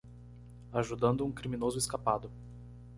Ajudando um criminoso escapado.